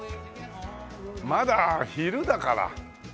まだ昼だから。